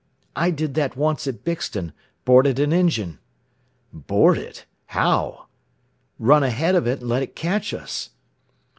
"I did that once at Bixton boarded an engine." "Board it! How?" "Run ahead of it, and let it catch us."